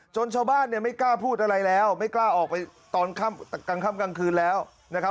ชาวบ้านเนี่ยไม่กล้าพูดอะไรแล้วไม่กล้าออกไปตอนกลางค่ำกลางคืนแล้วนะครับ